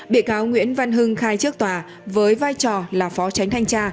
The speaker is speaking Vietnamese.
bị cáo nguyễn văn hưng khai trước tòa với vai trò là phó tránh thanh tra